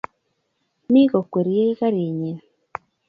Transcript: Mi kokwerie karinyi